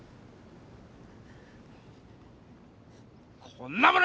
こんなもの